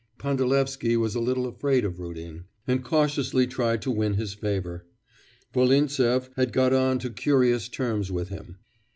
Pandalevsky was a little afraid of Rudin, and cautiously tried to win his favour. Volintsev had got on to curious terms with him.